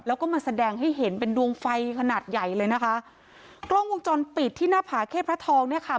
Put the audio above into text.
แล้วก็มาแสดงให้เห็นเป็นดวงไฟขนาดใหญ่เลยนะคะกล้องวงจรปิดที่หน้าผาเข้พระทองเนี่ยค่ะ